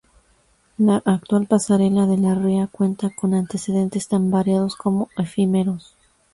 La actual pasarela de la ría cuenta con antecedentes tan variados como efímeros.